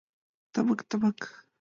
Тымык-тымык.